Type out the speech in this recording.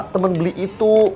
temen beli itu